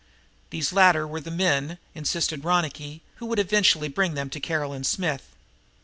These latter were the men, insisted Ronicky, who would eventually bring them to Caroline Smith.